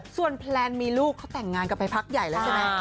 ส่วนแพลนมีลูกเขาแต่งงานกันไปพักใหญ่แล้วใช่ไหม